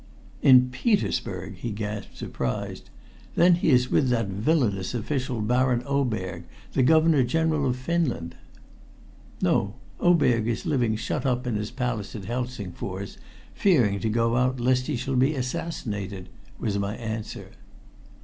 "In St. Petersburg!" he gasped, surprised. "Then he is with that villainous official, Baron Oberg, the Governor General of Finland." "No; Oberg is living shut up in his palace at Helsingfors, fearing to go out lest he shall be assassinated," was my answer.